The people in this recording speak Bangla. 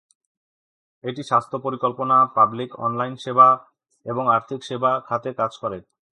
এটি স্বাস্থ্য পরিকল্পনা, পাবলিক অনলাইন সেবা এবং আর্থিক সেবা খাতে কাজ করে।